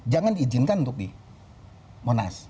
jangan diizinkan untuk di monas